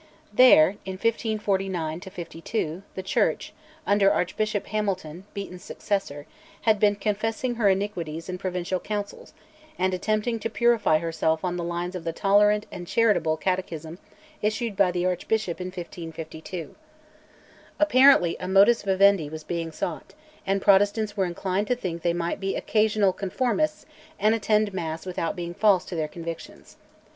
There, in 1549 52, the Church, under Archbishop Hamilton, Beaton's successor, had been confessing her iniquities in Provincial Councils, and attempting to purify herself on the lines of the tolerant and charitable Catechism issued by the Archbishop in 1552. Apparently a modus vivendi was being sought, and Protestants were inclined to think that they might be "occasional conformists" and attend Mass without being false to their convictions.